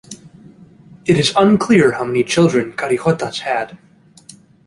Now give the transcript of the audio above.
It is unclear how many children Karijotas had.